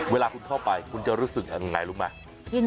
เวลาคุณเข้าไปคุณจะรู้สึกยังไงรู้ไหม